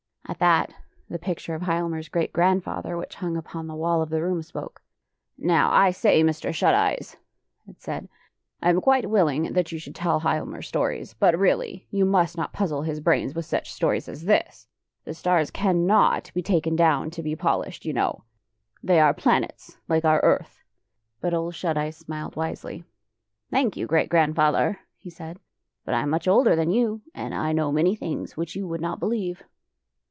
At that, the picture of Hialmar's gi'eat grandfather, which hung upon the wall of the room, spoke. " Now, I say, Mr. Shut Eyes," it said, " I am quite willing that you should tell Hial mar stories, but really, you must not puzzle his brains with such stories as this. The stars cannot be taken down to be polished, you know ! They are planets, like our earth! " But Ole Shut Eyes smiled wisely. " Thank you, Great Grandfather," he said, " but I am much older than you, and I know many things which you would not believe.